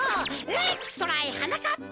レッツトライはなかっぱ！